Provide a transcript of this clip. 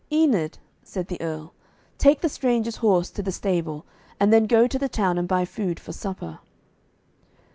'Enid,' said the Earl, 'take the stranger's horse to the stable, and then go to the town and buy food for supper.'